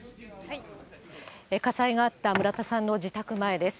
火災があった村田さんの自宅前です。